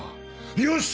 よし！